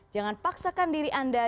jangan paksakan diri anda